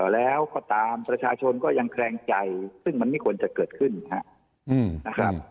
แล้วก็ตามประชาชนก็ยังแคลงใจซึ่งมันไม่ควรจะเกิดขึ้นนะครับ